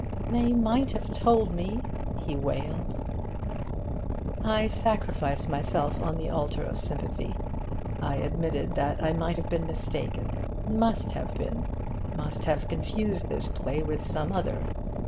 'They might have told me,' he wailed. I sacrificed myself on the altar of sympathy. I admitted that I might have been mistaken must have been must have confused this play with some other.